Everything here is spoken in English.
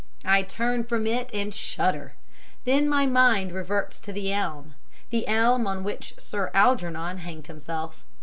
I turn from it and shudder. Then my mind reverts to the elm the elm on which Sir Algernon hanged himself.